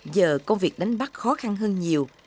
giờ công việc đánh bắt khó khăn hơn nhiều